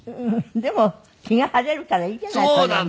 でも気が晴れるからいいじゃないそれも。